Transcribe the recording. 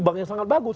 banknya sangat bagus